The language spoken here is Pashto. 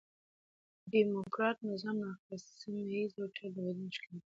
ډيموکراټ نظام ناقص، سمیه ييز او تل د بدلون ښکار یي.